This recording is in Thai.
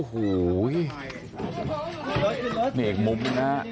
เหมียงอีกมุมที่น๊ะ